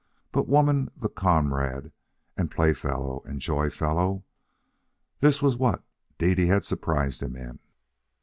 But woman, the comrade and playfellow and joyfellow this was what Dede had surprised him in.